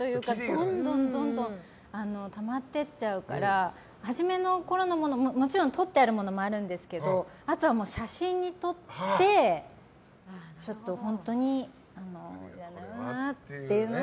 どんどんたまってっちゃうから初めのころのものはもちろんとってあるものもあるんですけれどあとは写真に撮って本当にっていうのは。